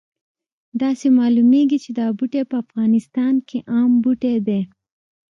داسې معلومیږي چې دا بوټی په افغانستان کې عام بوټی دی